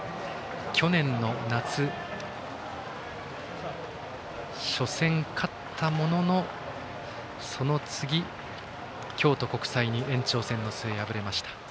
去年の夏は初戦勝ったものの、その次京都国際に延長戦の末、敗れました。